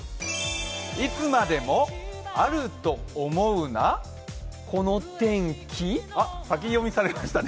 いつまでもあると思うな先読みされましたね。